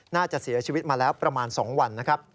น่าจะเสียชีวิตมาแล้วประมาณ๒วันนะครับ